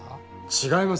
違います！